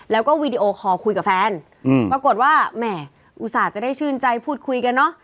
แล้วก็วีดีโอคอลคุยกับแฟนอืมปรากฏว่าแหมอุตส่าห์จะได้ชื่นใจพูดคุยกันเนอะ